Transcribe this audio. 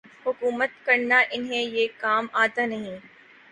حکومت کرنا انہیں یہ کام آتا نہیں۔